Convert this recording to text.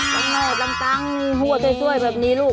ต้องเป็นตั้งพ่ววดต้วยแบบนี้ลูก